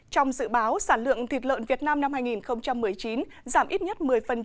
trong dự báo sản lượng thịt lợn việt nam năm hai nghìn một mươi chín giảm ít nhất một mươi